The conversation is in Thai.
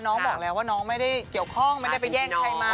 น้องบอกแล้วว่าน้องไม่ได้เกี่ยวข้องไม่ได้ไปแย่งใครมา